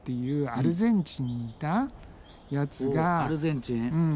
アルゼンチン。